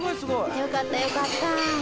良かった良かった。